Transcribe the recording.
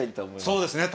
そうですね。